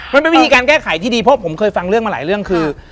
มันเป็นวิธีการแก้ไขที่ดีเพราะผมเคยฟังเรื่องมาหลายเรื่องคือ